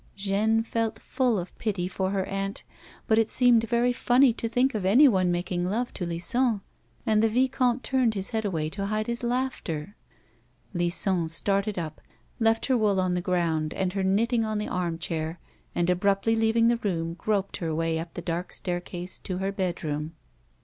Jeanne felt full of pity for her aunt, but it seemed very funny to think of anyone making love to Lison, and the vicomte turned his head away to hide his laughter. Lison started up, left her wool on the ground and her knitting on the armchair, and abruptly leaving the room groped her way up the dark staircase to her bedroom.